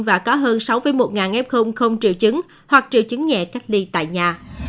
và có hơn sáu một f không triệu chứng hoặc triệu chứng nhẹ cách ly tại nhà